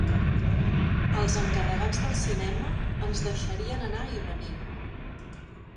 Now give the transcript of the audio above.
Els encarregats del cinema ens deixarien anar i venir